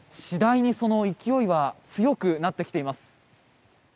次第にその勢いは強くなってきています。